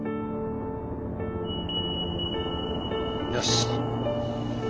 よし！